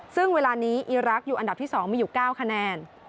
ซึ่งเวลานี้อีรักษ์อยู่อันดับที่๒มีอยู่๙คะแนน